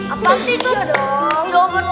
apaan sih sob